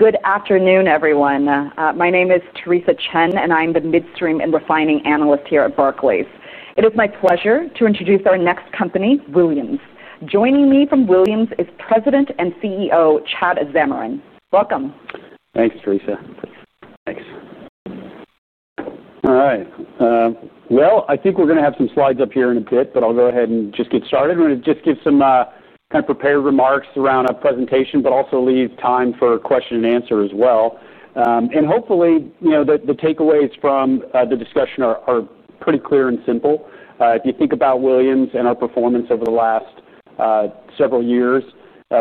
Good afternoon, everyone. My name is Theresa Chen, and I'm the Midstream and Refining Analyst here at Barclays. It is my pleasure to introduce our next company, Williams. Joining me from Williams is President and CEO Chad Zamarin. Welcome. Thanks, Theresa. Thanks. All right. I think we're going to have some slides up here in a bit, but I'll go ahead and just get started. I'm going to give some kind of prepared remarks around our presentation, but also leave time for question and answer as well. Hopefully, you know the takeaways from the discussion are pretty clear and simple. If you think about Williams and our performance over the last several years,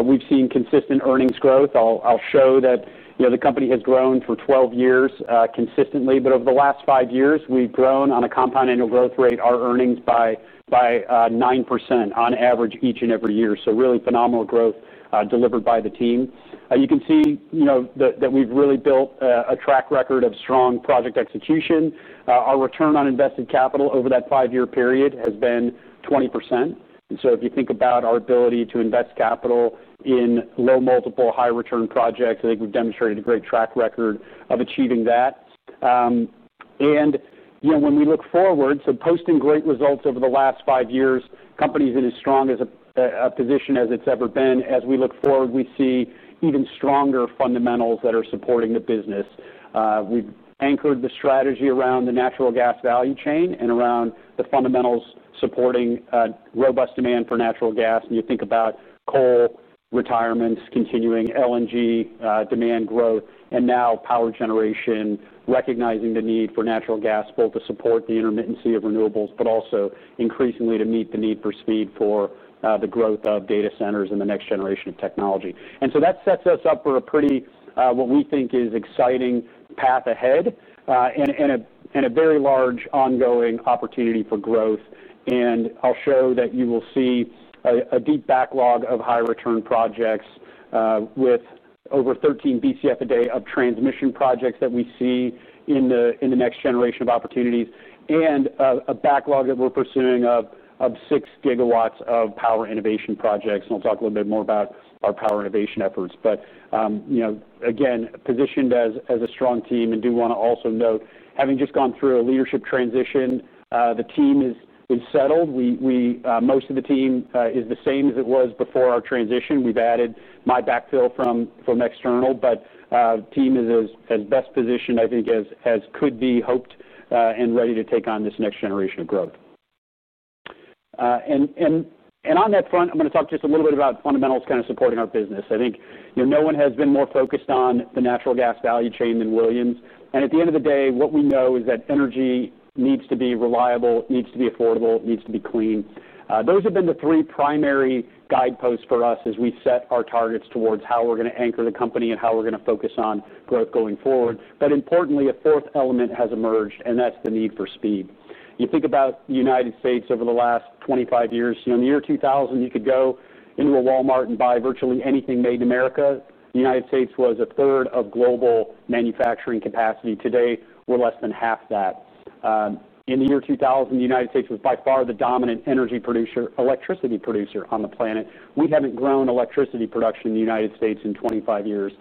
we've seen consistent earnings growth. I'll show that the company has grown for 12 years consistently, but over the last five years, we've grown on a compound annual growth rate, our earnings by 9% on average each and every year. Really phenomenal growth delivered by the team. You can see that we've really built a track record of strong project execution. Our return on invested capital over that five-year period has been 20%. If you think about our ability to invest capital in low-multiple, high-return projects, I think we've demonstrated a great track record of achieving that. You know when we look forward, posting great results over the last five years, the company is in as strong a position as it's ever been. As we look forward, we see even stronger fundamentals that are supporting the business. We've anchored the strategy around the natural gas value chain and around the fundamentals supporting robust demand for natural gas. You think about coal retirements continuing, LNG demand growth, and now power generation, recognizing the need for natural gas both to support the intermittency of renewables, but also increasingly to meet the need for speed for the growth of data centers and the next generation of technology. That sets us up for a pretty, what we think is, exciting path ahead and a very large ongoing opportunity for growth. I'll show that you will see a deep backlog of high-return projects with over 13 Bcf/day of transmission projects that we see in the next generation of opportunities and a backlog that we're pursuing of 6 GW of power innovation projects. I'll talk a little bit more about our power innovation efforts. Again, positioned as a strong team and do want to also note, having just gone through a leadership transition, the team is settled. Most of the team is the same as it was before our transition. We've added my backfill from external, but the team is as best positioned, I think, as could be hoped and ready to take on this next generation of growth. On that front, I'm going to talk just a little bit about fundamentals kind of supporting our business. I think no one has been more focused on the natural gas value chain than Williams. At the end of the day, what we know is that energy needs to be reliable, needs to be affordable, needs to be clean. Those have been the three primary guideposts for us as we set our targets towards how we're going to anchor the company and how we're going to focus on growth going forward. Importantly, a fourth element has emerged, and that's the need for speed. You think about the United States over the last 25 years. In the year 2000, you could go into a Walmart and buy virtually anything made in America. The United States was a third of global manufacturing capacity. Today, we're less than half that. In the year 2000, the United States was by far the dominant energy producer, electricity producer on the planet. We haven't grown electricity production in the United States in 25 years.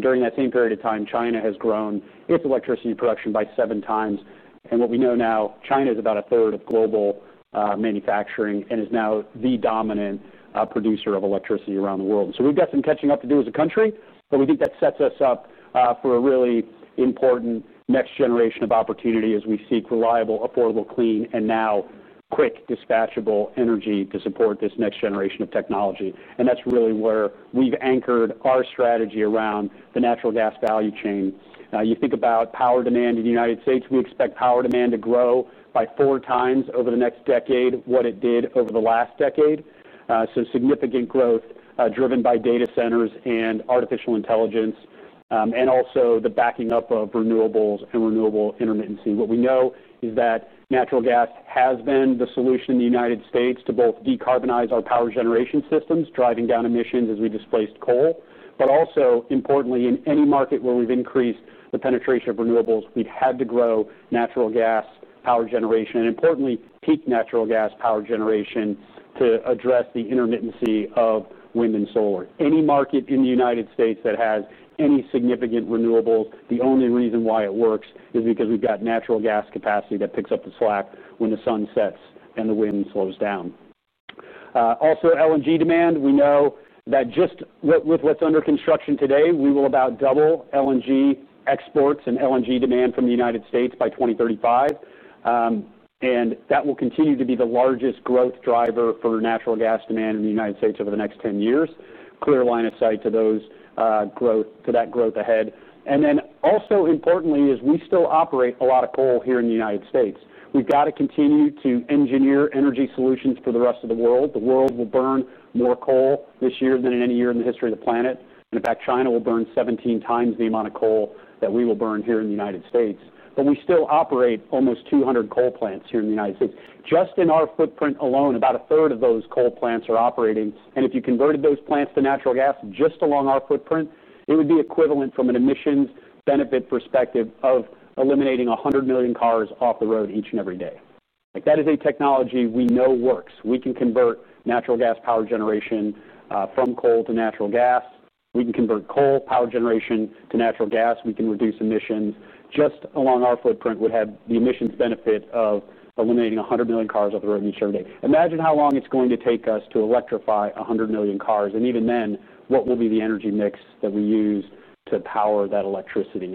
During that same period of time, China has grown its electricity production by 7x. What we know now, China is about a third of global manufacturing and is now the dominant producer of electricity around the world. We have some catching up to do as a country, but we think that sets us up for a really important next generation of opportunity as we seek reliable, affordable, clean, and now quick, dispatchable energy to support this next generation of technology. That's really where we've anchored our strategy around the natural gas value chain. You think about power demand in the United States. We expect power demand to grow by 4x over the next decade what it did over the last decade. Significant growth is driven by data centers and artificial intelligence and also the backing up of renewables and renewable intermittency. What we know is that natural gas has been the solution in the United States to both decarbonize our power generation systems, driving down emissions as we displaced coal, but also importantly, in any market where we've increased the penetration of renewables, we've had to grow natural gas power generation and importantly, peak natural gas power generation to address the intermittency of wind and solar. Any market in the United States that has any significant renewables, the only reason why it works is because we've got natural gas capacity that picks up the slack when the sun sets and the wind slows down. Also, LNG demand, we know that just with what's under construction today, we will about double LNG exports and LNG demand from the United States by 2035. That will continue to be the largest growth driver for natural gas demand in the United States over the next 10 years. Clear line of sight to that growth ahead. Importantly, we still operate a lot of coal here in the United States. We've got to continue to engineer energy solutions for the rest of the world. The world will burn more coal this year than in any year in the history of the planet. In fact, China will burn 17 x the amount of coal that we will burn here in the United States. We still operate almost 200 coal plants here in the United States. Just in our footprint alone, about a third of those coal plants are operating. If you converted those plants to natural gas just along our footprint, it would be equivalent from an emissions benefit perspective of eliminating 100 million cars off the road each and every day. That is a technology we know works. We can convert natural gas power generation from coal to natural gas. We can convert coal power generation to natural gas. We can reduce emissions. Just along our footprint would have the emissions benefit of eliminating 100 million cars off the road each and every day. Imagine how long it's going to take us to electrify 100 million cars. Even then, what will be the energy mix that we use to power that electricity?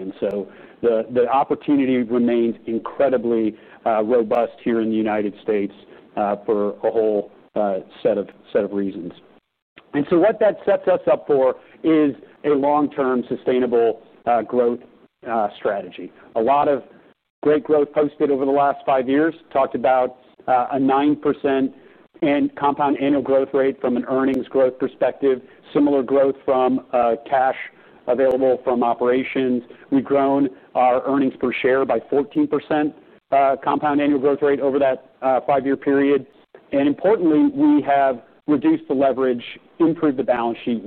The opportunity remains incredibly robust here in the United States for a whole set of reasons. What that sets us up for is a long-term sustainable growth strategy. A lot of great growth posted over the last five years. Talked about a 9% compound annual growth rate from an earnings growth perspective. Similar growth from cash available from operations. We've grown our earnings per share by 14% compound annual growth rate over that five-year period. Importantly, we have reduced the leverage, improved the balance sheet.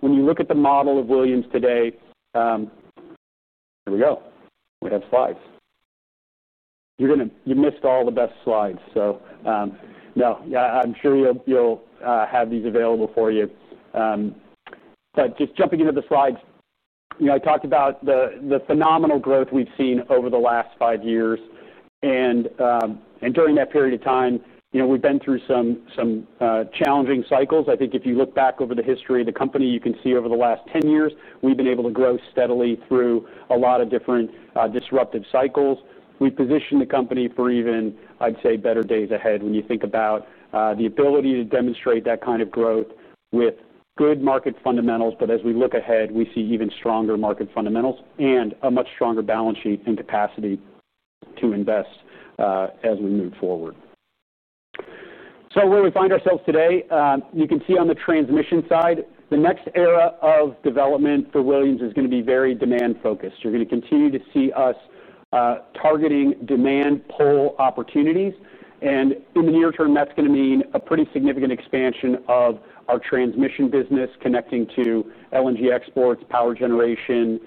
When you look at the model of Williams today, here we go. We have slides. You missed all the best slides. I'm sure you'll have these available for you. Just jumping into the slides, I talked about the phenomenal growth we've seen over the last five years. During that period of time, we've been through some challenging cycles. I think if you look back over the history of the company, you can see over the last 10 years, we've been able to grow steadily through a lot of different disruptive cycles. We've positioned the company for even, I'd say, better days ahead when you think about the ability to demonstrate that kind of growth with good market fundamentals. As we look ahead, we see even stronger market fundamentals and a much stronger balance sheet and capacity to invest as we move forward. Where we find ourselves today, you can see on the transmission side, the next era of development for Williams is going to be very demand-focused. You're going to continue to see us targeting demand pull opportunities. In the near term, that's going to mean a pretty significant expansion of our transmission business connecting to LNG exports, power generation,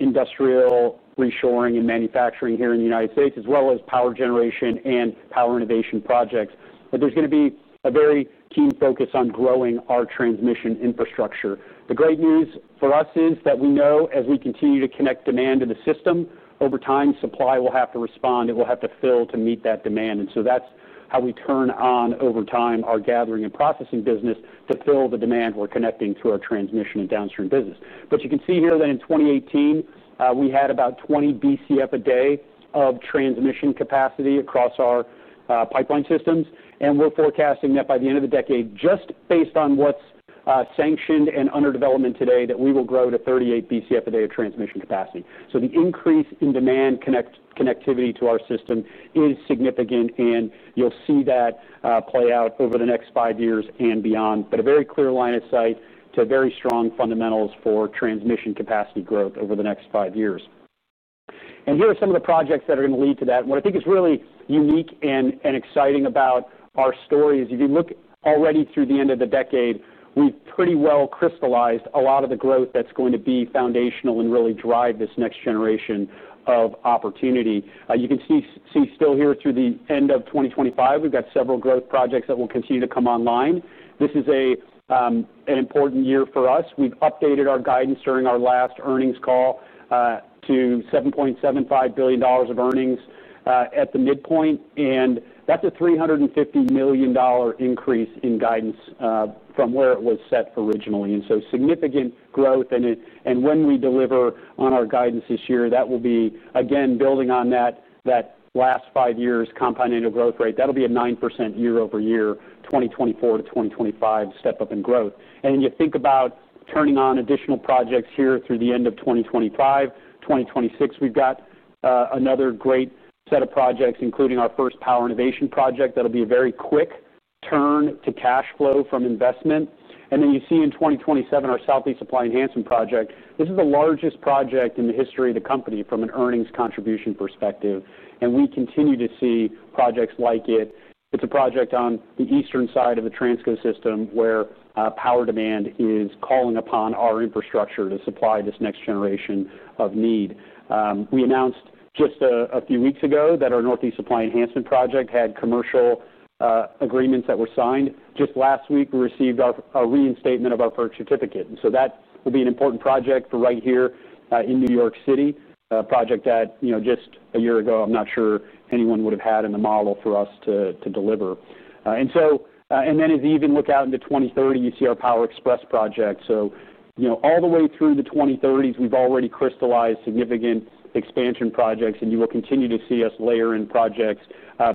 industrial reshoring, and manufacturing here in the United States, as well as power generation and power innovation projects. There's going to be a very keen focus on growing our transmission infrastructure. The great news for us is that we know as we continue to connect demand to the system, over time, supply will have to respond. It will have to fill to meet that demand. That's how we turn on, over time, our gathering and processing business to fill the demand we're connecting to our transmission and downstream business. You can see here that in 2018, we had about 20 Bcf/day of transmission capacity across our pipeline systems. We're forecasting that by the end of the decade, just based on what's sanctioned and under development today, we will grow to 38 Bcf/day of transmission capacity. The increase in demand connectivity to our system is significant. You'll see that play out over the next five years and beyond. There's a very clear line of sight to very strong fundamentals for transmission capacity growth over the next five years. Here are some of the projects that are going to lead to that. What I think is really unique and exciting about our story is if you look already through the end of the decade, we've pretty well crystallized a lot of the growth that's going to be foundational and really drive this next generation of opportunity. You can see still here through the end of 2025, we've got several growth projects that will continue to come online. This is an important year for us. We've updated our guidance during our last earnings call to $7.75 billion of earnings at the midpoint. That's a $350 million increase in guidance from where it was set originally, so significant growth. When we deliver on our guidance this year, that will be, again, building on that last five years' compound annual growth rate. That'll be a 9% year-over-year, 2024 to 2025, step up in growth. You think about turning on additional projects here through the end of 2025, 2026, we've got another great set of projects, including our first power innovation project. That'll be a very quick turn to cash flow from investment. You see in 2027 our Southeast Supply Enhancement Project. This is the largest project in the history of the company from an earnings contribution perspective. We continue to see projects like it. It's a project on the eastern side of the Transco system where power demand is calling upon our infrastructure to supply this next generation of need. We announced just a few weeks ago that our Northeast Supply Enhancement Project had commercial agreements that were signed. Just last week, we received our reinstatement of our FERC certificate. That will be an important project for right here in New York City, a project that just a year ago, I'm not sure anyone would have had in the model for us to deliver. As you even look out into 2030, you see our Power Express Project. All the way through the 2030s, we've already crystallized significant expansion projects. You will continue to see us layer in projects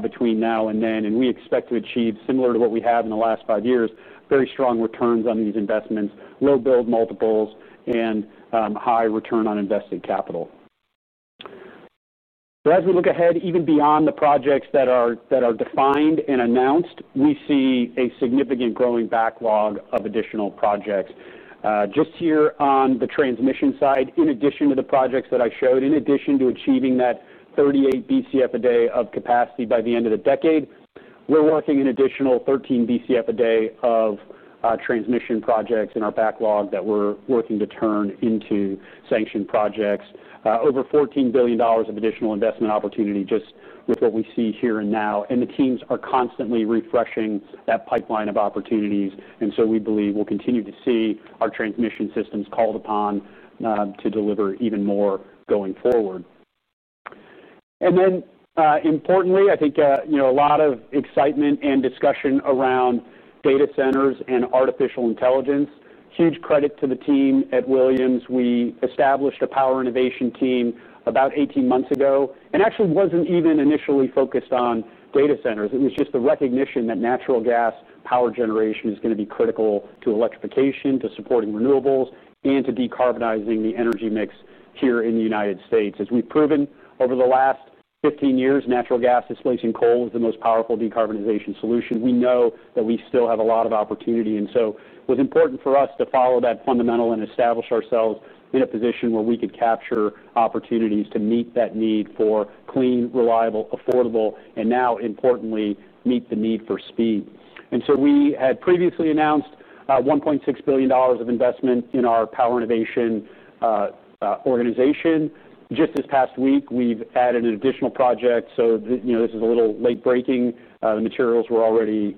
between now and then. We expect to achieve, similar to what we have in the last five years, very strong returns on these investments, low build multiples, and high return on invested capital. As we look ahead, even beyond the projects that are defined and announced, we see a significant growing backlog of additional projects. Just here on the transmission side, in addition to the projects that I showed, in addition to achieving that 38 Bcf/day of capacity by the end of the decade, we're working an additional 13 Bcf/day of transmission projects in our backlog that we're working to turn into sanctioned projects. Over $14 billion of additional investment opportunity just with what we see here and now. The teams are constantly refreshing that pipeline of opportunities. We believe we'll continue to see our transmission systems called upon to deliver even more going forward. Importantly, I think a lot of excitement and discussion is around data centers and artificial intelligence. Huge credit to the team at Williams. We established a power innovation team about 18 months ago, and it actually wasn't even initially focused on data centers. It was just the recognition that natural gas power generation is going to be critical to electrification, to supporting renewables, and to decarbonizing the energy mix here in the United States. As we've proven over the last 15 years, natural gas displacing coal is the most powerful decarbonization solution. We know that we still have a lot of opportunity. It was important for us to follow that fundamental and establish ourselves in a position where we could capture opportunities to meet that need for clean, reliable, affordable, and now, importantly, meet the need for speed. We had previously announced $1.6 billion of investment in our power innovation organization. Just this past week, we've added an additional project. This is a little late breaking. The materials were already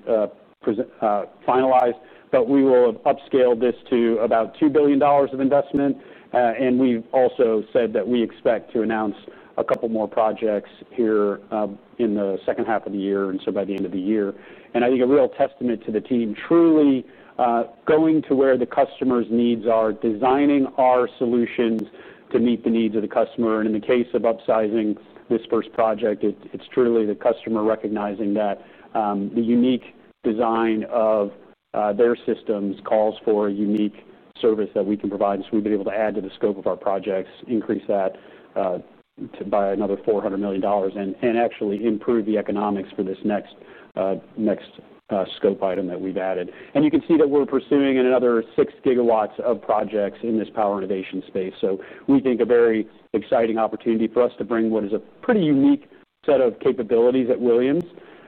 finalized, but we will have upscaled this to about $2 billion of investment. We've also said that we expect to announce a couple more projects here in the second half of the year, and by the end of the year. I think it is a real testament to the team truly going to where the customer's needs are, designing our solutions to meet the needs of the customer. In the case of upsizing this first project, it's truly the customer recognizing that the unique design of their systems calls for a unique service that we can provide. We've been able to add to the scope of our projects, increase that by another $400 million, and actually improve the economics for this next scope item that we've added. You can see that we're pursuing another 6 GW of projects in this power innovation space. We think it is a very exciting opportunity for us to bring what is a pretty unique set of capabilities at Williams.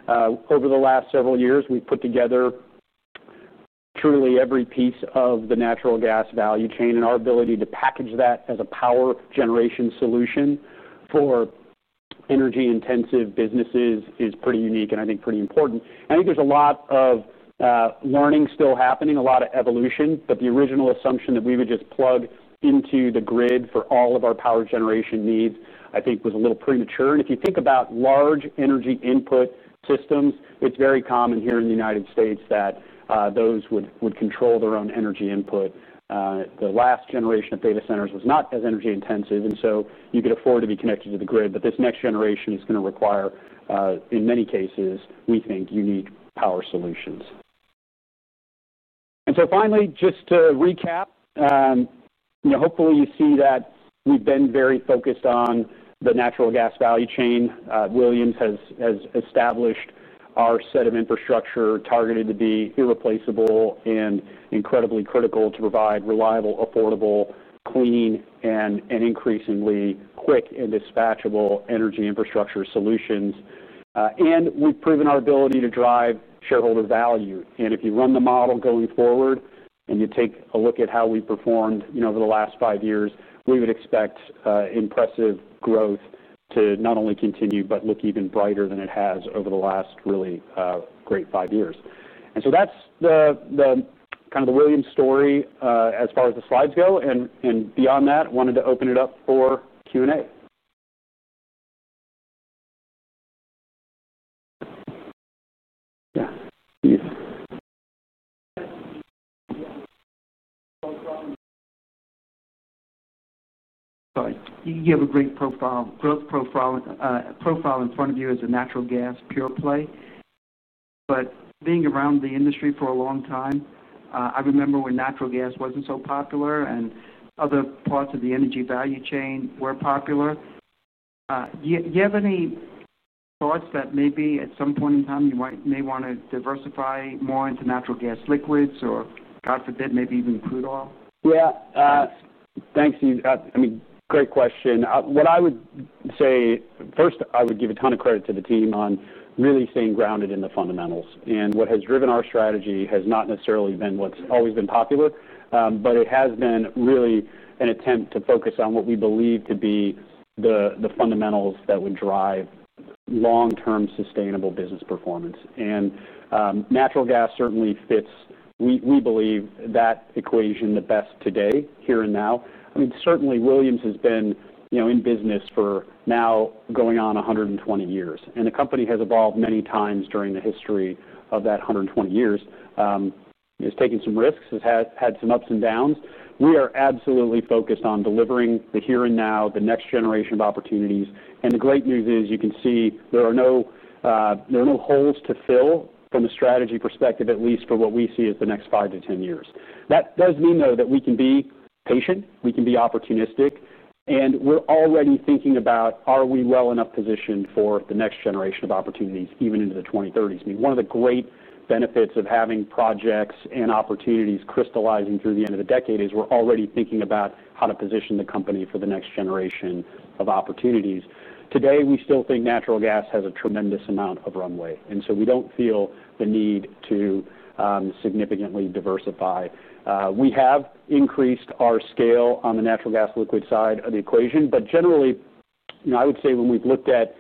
Over the last several years, we've put together truly every piece of the natural gas value chain. Our ability to package that as a power generation solution for energy-intensive businesses is pretty unique and I think pretty important. I think there's a lot of learning still happening, a lot of evolution, but the original assumption that we would just plug into the grid for all of our power generation needs, I think, was a little premature. If you think about large energy input systems, it's very common here in the U.S. that those would control their own energy input. The last generation of data centers was not as energy-intensive, so you could afford to be connected to the grid. This next generation is going to require, in many cases, we think, unique power solutions. Finally, just to recap, hopefully, you see that we've been very focused on the natural gas value chain. Williams has established our set of infrastructure targeted to be irreplaceable and incredibly critical to provide reliable, affordable, clean, and increasingly quick and dispatchable energy infrastructure solutions. We've proven our ability to drive shareholder value. If you run the model going forward and you take a look at how we performed over the last five years, we would expect impressive growth to not only continue, but look even brighter than it has over the last really great five years. That's kind of the Williams story as far as the slides go. Beyond that, I wanted to open it up for Q&A. You have a great profile in front of you as a natural gas pure play. Being around the industry for a long time, I remember when natural gas wasn't so popular and other parts of the energy value chain were popular. Do you have any thoughts that maybe at some point in time you might want to diversify more into natural gas liquids or, God forbid, maybe even crude oil? Yeah. Thanks. I mean, great question. What I would say, first, I would give a ton of credit to the team on really staying grounded in the fundamentals. What has driven our strategy has not necessarily been what's always been popular, but it has been really an attempt to focus on what we believe to be the fundamentals that would drive long-term sustainable business performance. Natural gas certainly fits, we believe, that equation the best today here and now. Williams has been in business for now going on 120 years. The company has evolved many times during the history of that 120 years. It's taken some risks. It's had some ups and downs. We are absolutely focused on delivering the here and now, the next generation of opportunities. The great news is you can see there are no holes to fill from a strategy perspective, at least for what we see as the next 5 to 10 years. That does mean, though, that we can be patient. We can be opportunistic. We're already thinking about, are we well enough positioned for the next generation of opportunities even into the 2030s? One of the great benefits of having projects and opportunities crystallizing through the end of the decade is we're already thinking about how to position the company for the next generation of opportunities. Today, we still think natural gas has a tremendous amount of runway. We don't feel the need to significantly diversify. We have increased our scale on the natural gas liquid side of the equation. Generally, you know I would say when we've looked at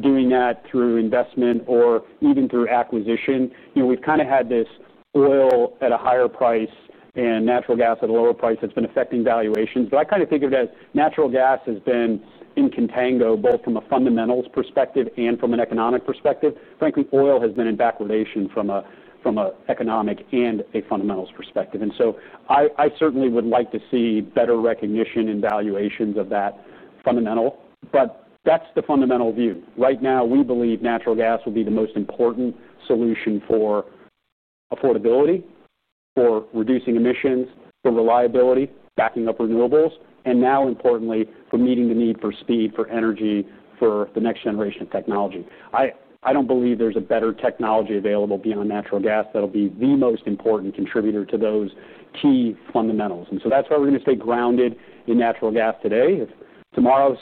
doing that through investment or even through acquisition, you know we've kind of had this oil at a higher price and natural gas at a lower price that's been affecting valuations. I kind of figured that natural gas has been in contango both from a fundamentals perspective and from an economic perspective. Frankly, oil has been in backwardation from an economic and a fundamentals perspective. I certainly would like to see better recognition and valuations of that fundamental. That's the fundamental view. Right now, we believe natural gas will be the most important solution for affordability, for reducing emissions, for reliability, backing up renewables, and now importantly, for meeting the need for speed, for energy, for the next generation of technology. I don't believe there's a better technology available beyond natural gas that'll be the most important contributor to those key fundamentals. That's why we're going to stay grounded in natural gas today. If tomorrow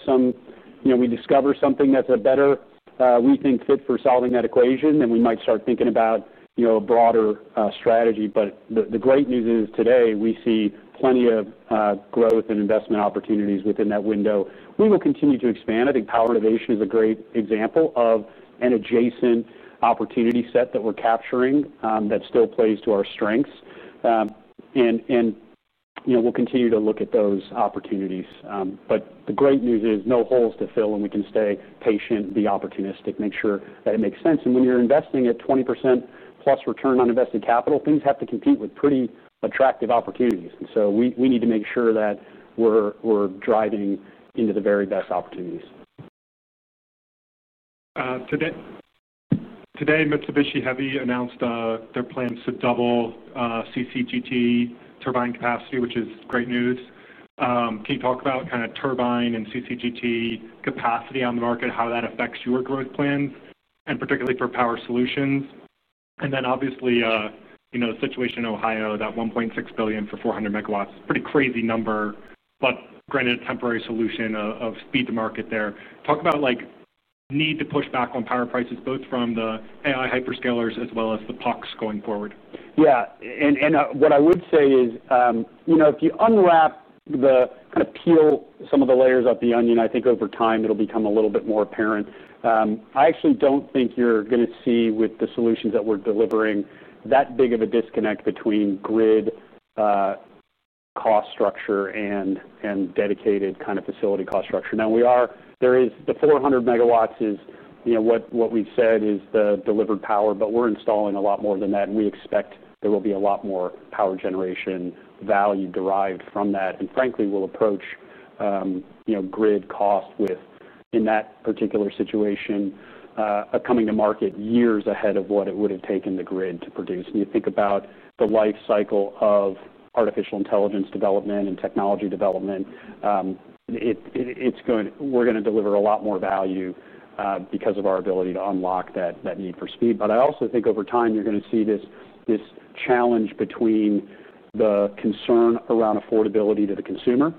we discover something that's a better, we think, fit for solving that equation, then we might start thinking about a broader strategy. The great news is today we see plenty of growth and investment opportunities within that window. We will continue to expand. I think power innovation is a great example of an adjacent opportunity set that we're capturing that still plays to our strengths. You know we'll continue to look at those opportunities. The great news is no holes to fill, and we can stay patient, be opportunistic, make sure that it makes sense. When you're investing at 20% plus return on invested capital, things have to compete with pretty attractive opportunities. We need to make sure that we're driving into the very best opportunities. Today, Mitsubishi Heavy announced their plans to double CCGT turbine capacity, which is great news. Can you talk about kind of turbine and CCGT capacity on the market, how that affects your growth plans, and particularly for power solutions? Obviously, you know the situation in Ohio, that $1.6 billion for 400 MW, pretty crazy number, but granted a temporary solution of speed to market there. Talk about like need to push back on power prices, both from the AI hyperscalers as well as the PX going forward. Yeah. What I would say is, if you unwrap and peel some of the layers off the onion, I think over time it'll become a little bit more apparent. I actually don't think you're going to see with the solutions that we're delivering that big of a disconnect between grid cost structure and dedicated facility cost structure. There is the 400 MW, which is what we said is the delivered power, but we're installing a lot more than that. We expect there will be a lot more power generation value derived from that. Frankly, we'll approach grid costs with, in that particular situation, a coming to market years ahead of what it would have taken the grid to produce. If you think about the life cycle of artificial intelligence development and technology development, we're going to deliver a lot more value because of our ability to unlock that need for speed. I also think over time you're going to see this challenge between the concern around affordability to the consumer.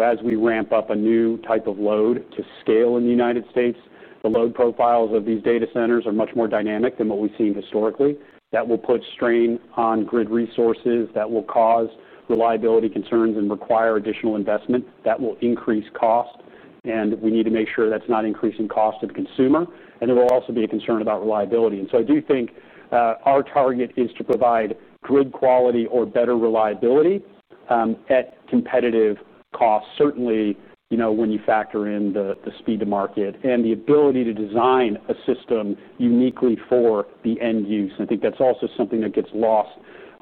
As we ramp up a new type of load to scale in the United States, the load profiles of these data centers are much more dynamic than what we've seen historically. That will put strain on grid resources, cause reliability concerns, and require additional investment. That will increase cost, and we need to make sure that's not increasing cost to the consumer. There will also be a concern about reliability. I do think our target is to provide grid quality or better reliability at competitive costs, certainly when you factor in the speed to market and the ability to design a system uniquely for the end use. I think that's also something that gets lost.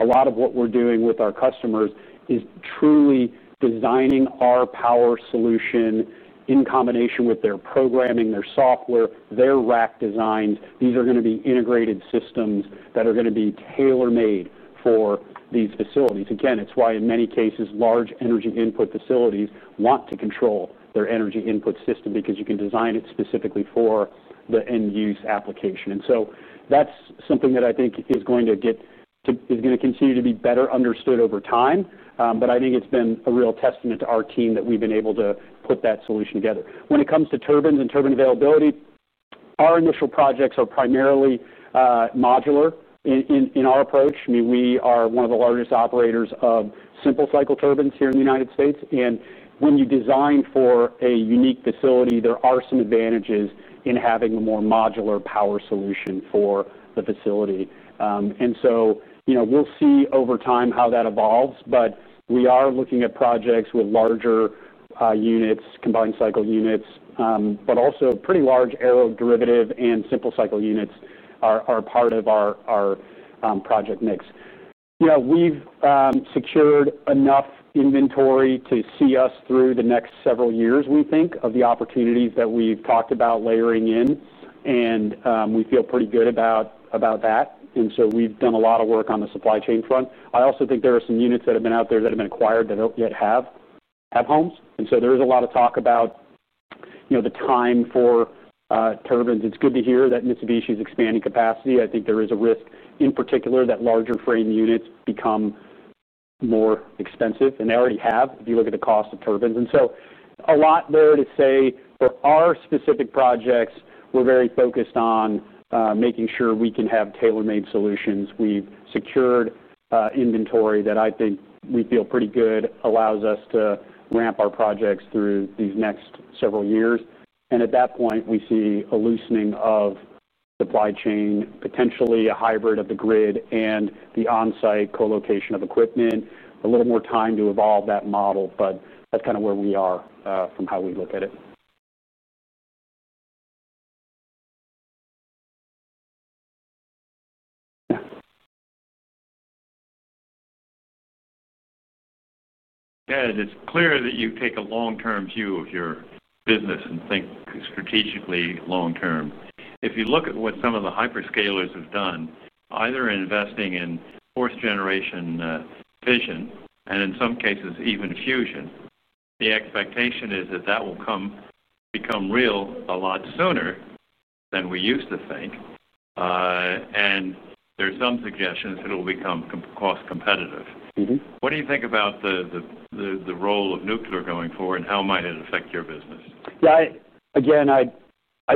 A lot of what we're doing with our customers is truly designing our power solution in combination with their programming, their software, their rack designs. These are going to be integrated systems that are going to be tailor-made for these facilities. In many cases, large energy input facilities want to control their energy input system because you can design it specifically for the end-use application. That's something that I think is going to continue to be better understood over time. I think it's been a real testament to our team that we've been able to put that solution together. When it comes to turbines and turbine availability, our initial projects are primarily modular in our approach. I mean, we are one of the largest operators of simple cycle turbines here in the U.S. When you design for a unique facility, there are some advantages in having a more modular power solution for the facility. You know we'll see over time how that evolves. We are looking at projects with larger units, combined cycle units, but also pretty large aero derivative and simple cycle units are part of our project mix. We've secured enough inventory to see us through the next several years, we think, of the opportunities that we've talked about layering in. We feel pretty good about that. We've done a lot of work on the supply chain front. I also think there are some units that have been out there that have been acquired that don't yet have homes. There is a lot of talk about the time for turbines. It's good to hear that Mitsubishi is expanding capacity. I think there is a risk in particular that larger frame units become more expensive. They already have if you look at the cost of turbines. A lot there to say for our specific projects, we're very focused on making sure we can have tailor-made solutions. We've secured inventory that I think we feel pretty good allows us to ramp our projects through these next several years. At that point, we see a loosening of supply chain, potentially a hybrid of the grid and the on-site colocation of equipment, a little more time to evolve that model. That's kind of where we are from how we look at it. Yeah, it's clear that you take a long-term view of your business and think strategically long-term. If you look at what some of the hyperscalers have done, either investing in fourth-generation vision and in some cases even fusion, the expectation is that that will become real a lot sooner than we used to think. There are some suggestions that it will become cost-competitive. What do you think about the role of nuclear going forward and how might it affect your business? Yeah, again, I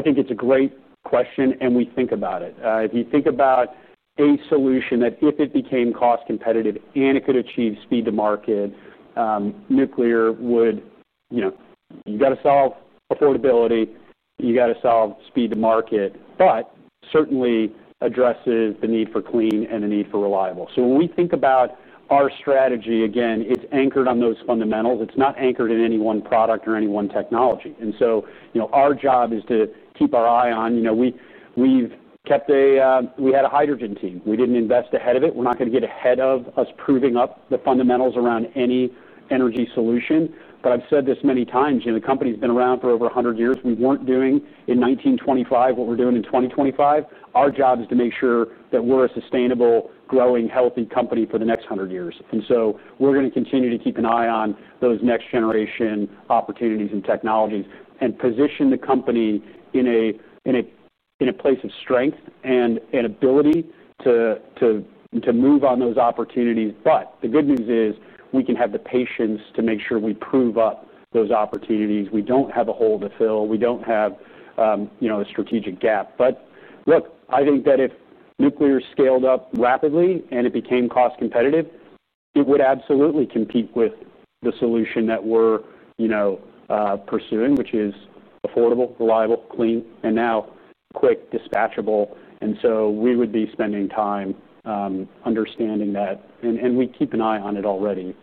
think it's a great question, and we think about it. If you think about a solution that, if it became cost-competitive and it could achieve speed to market, nuclear would, you know, you've got to solve affordability. You've got to solve speed to market, but it certainly addresses the need for clean and the need for reliable. When we think about our strategy, again, it's anchored on those fundamentals. It's not anchored in any one product or any one technology. Our job is to keep our eye on, you know, we've kept a, we had a hydrogen team. We didn't invest ahead of it. We're not going to get ahead of us proving up the fundamentals around any energy solution. I've said this many times, you know, the company's been around for over 100 years. We weren't doing in 1925 what we're doing in 2025. Our job is to make sure that we're a sustainable, growing, healthy company for the next 100 years. We're going to continue to keep an eye on those next-generation opportunities and technologies and position the company in a place of strength and an ability to move on those opportunities. The good news is we can have the patience to make sure we prove up those opportunities. We don't have a hole to fill. We don't have, you know, a strategic gap. I think that if nuclear scaled up rapidly and it became cost-competitive, it would absolutely compete with the solution that we're, you know, pursuing, which is affordable, reliable, clean, and now quick, dispatchable. We would be spending time understanding that. We keep an eye on it already,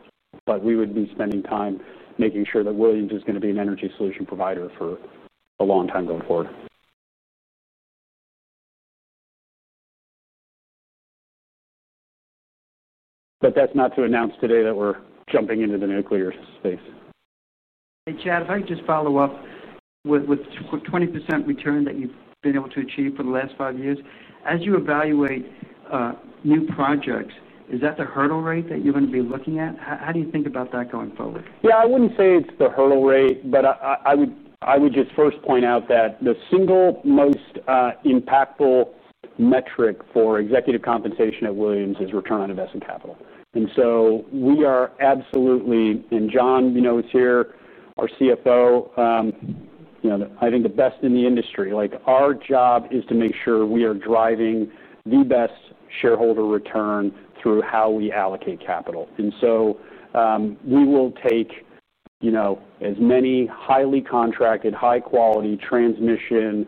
but we would be spending time making sure that Williams is going to be an energy solution provider for a long time going forward. That's not to announce today that we're jumping into the nuclear space. Hey, Chad, if I could just follow up with the 20% return that you've been able to achieve for the last five years. As you evaluate new projects, is that the hurdle rate that you're going to be looking at? How do you think about that going forward? Yeah, I wouldn't say it's the hurdle rate, but I would just first point out that the single most impactful metric for executive compensation at Williams is return on invested capital. We are absolutely, and John, you know, is here, our CFO, you know, I think the best in the industry. Our job is to make sure we are driving the best shareholder return through how we allocate capital. We will take as many highly contracted, high-quality transmission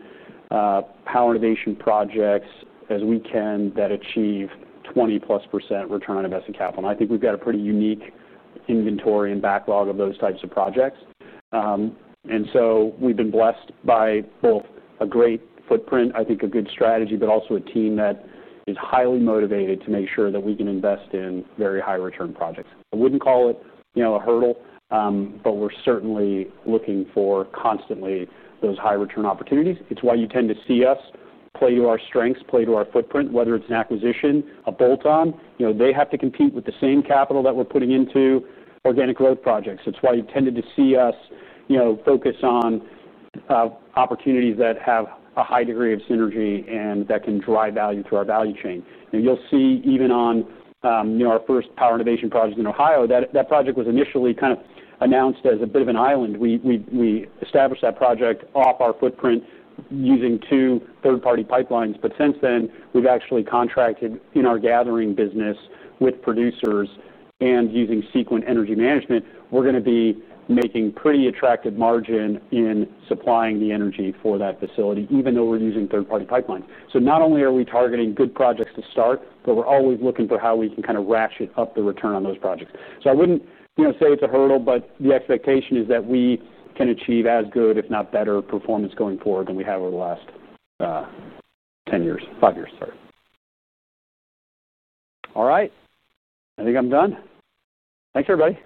power innovation projects as we can that achieve 20+% return on invested capital. I think we've got a pretty unique inventory and backlog of those types of projects. We've been blessed by both a great footprint, a good strategy, but also a team that is highly motivated to make sure that we can invest in very high-return projects. I wouldn't call it a hurdle, but we're certainly looking for constantly those high-return opportunities. It's why you tend to see us play to our strengths, play to our footprint, whether it's an acquisition, a bolt-on. They have to compete with the same capital that we're putting into organic growth projects. It's why you tended to see us focus on opportunities that have a high degree of synergy and that can drive value through our value chain. You'll see even on our first power innovation project in Ohio, that project was initially kind of announced as a bit of an island. We established that project off our footprint using two third-party pipelines. Since then, we've actually contracted in our gathering business with producers and using Sequent Energy Management. We're going to be making pretty attractive margin in supplying the energy for that facility, even though we're using third-party pipelines. Not only are we targeting good projects to start, but we're always looking for how we can kind of ratchet up the return on those projects. I wouldn't say it's a hurdle, but the expectation is that we can achieve as good, if not better, performance going forward than we have over the last 10 years, 5 years, sorry. All right. I think I'm done. Thanks, everybody.